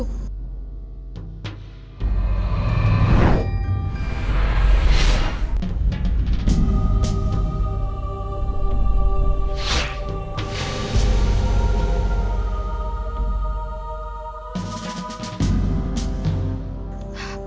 sekarang kita harus melakukan sesuatu